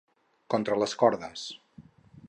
Contra les cordes.